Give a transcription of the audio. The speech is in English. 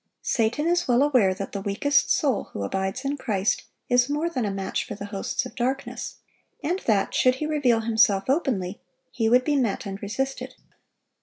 Satan is well aware that the weakest soul who abides in Christ is more than a match for the hosts of darkness, and that, should he reveal himself openly, he would be met and resisted.